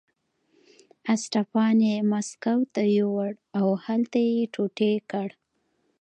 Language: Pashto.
اسټپان یې مسکو ته یووړ او هلته یې ټوټې کړ.